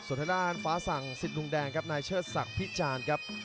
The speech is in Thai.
สุดท้ายนานฟ้าสั่งสิทธิ์ลุงแดงครับนายเชิดศักดิ์พี่จานครับ